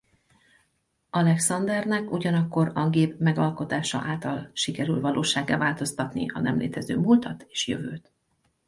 Alexandernek ugyanakkor a gép megalkotása által sikerül valósággá változtatni a nemlétező múltat és jövőt.